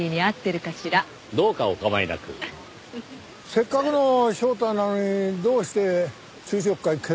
せっかくの招待なのにどうして昼食会欠席したのよ？